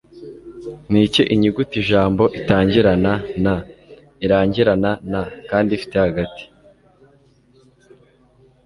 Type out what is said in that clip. Niki Inyuguti Ijambo Itangirana na Irangirana na kandi Ifite Hagati